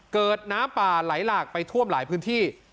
เกิดน้ำป่าไหลหลากไปท่วมหลายพื้นที่